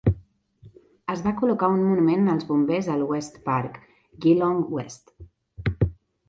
Es va col·locar un monument als bombers al West Park, Geelong West.